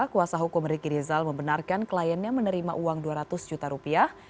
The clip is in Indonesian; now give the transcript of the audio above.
kuasa hukum riki rizal membenarkan kliennya menerima uang dua ratus juta rupiah